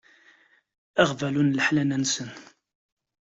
Aɣbalu n leḥnana-nsen.